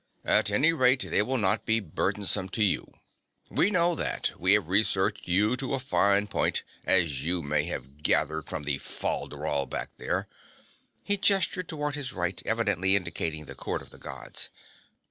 At any rate, they will not be burdensome to you. We know that we have researched you to a fine point, as you may have gathered from the fol de rol back there." He gestured toward his right, evidently indicating the Court of the Gods.